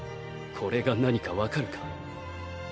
これが何かわかるか？